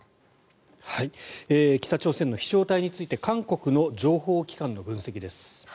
北朝鮮の飛翔体について韓国の情報機関の分析です。